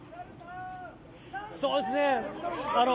そうですね。